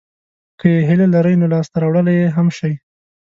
که یې هیله لرئ نو لاسته راوړلای یې هم شئ.